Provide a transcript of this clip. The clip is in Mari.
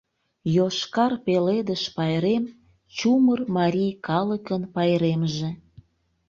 ЙОШКАР ПЕЛЕДЫШ ПАЙРЕМ — ЧУМЫР МАРИЙ КАЛЫКЫН ПАЙРЕМЖЕ